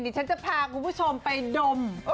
ฉันจะพาคุณผู้ชมไปดม